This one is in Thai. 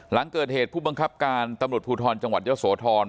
หลังเกิดเหตุผู้บังคับการตำรวจภูทรจังหวัดเยอะโสธร